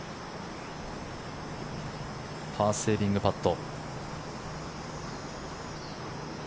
パーセービングパット。